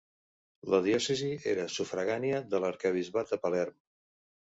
La diòcesi era sufragània de l'arquebisbat de Palerm.